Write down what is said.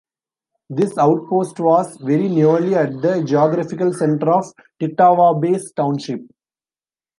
This outpost was very nearly at the geographical center of Tittawabasse Township.